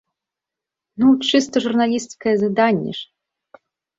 Ну, чыста журналісцкае заданне ж!